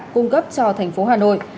cung cấp cho thành phố hà nội